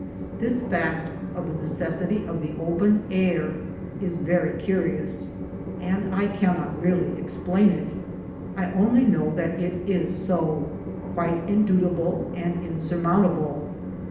This fact (of the necessity of the open air) is very curious, and I cannot really explain it. I only know that it is so, quite indubitable and insurmountable.